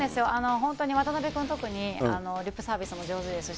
本当に渡辺君、特にリップサービスも上手ですし。